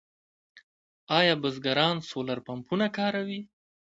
آیا بزګران سولر پمپونه کاروي؟